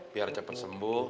biar cepet sembuh